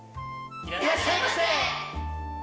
いらっしゃいませ！